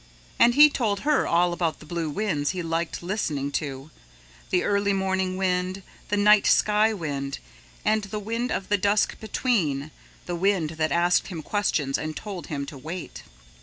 And he told her all about the blue winds he liked listening to, the early morning wind, the night sky wind, and the wind of the dusk between, the wind that asked him questions and told him to wait.